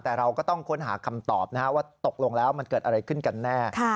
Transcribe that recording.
แต่เราก็ต้องค้นหาคำตอบว่าตกลงแล้วมันเกิดอะไรขึ้นกันแน่